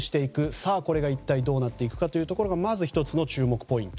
さあ、これがどうなっていくかがまず１つの注目ポイント。